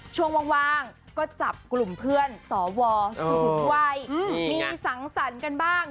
ช่วงว่างก็จับกลุ่มเพื่อนสวสูงวัยมีสังสรรค์กันบ้าง